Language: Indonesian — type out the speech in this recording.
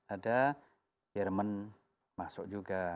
ada jerman masuk juga